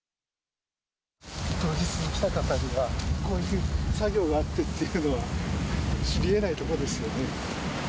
当日に来た方には、こういう作業があってというのは、知りえないところですよね。